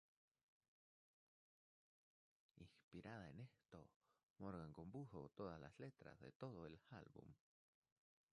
Inspirada en esto, Morgan compuso las letras de todo el álbum.